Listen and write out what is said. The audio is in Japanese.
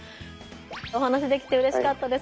お話しできてうれしかったです。